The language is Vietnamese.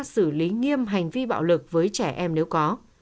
kiêm hành vi bạo lực với trẻ em nếu có